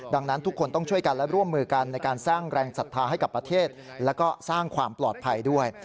ดังนั้นทุกคนต้องช่วยกันและร่วมมือกันในการสร้างแรงศรัทธาให้กับประเทศแล้วก็สร้างความปลอดภัยด้วย